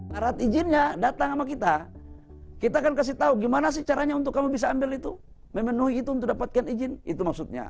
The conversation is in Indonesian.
marat izinnya datang sama kita kita akan kasih tahu gimana sih caranya untuk kamu bisa ambil itu memenuhi itu untuk dapatkan izin itu maksudnya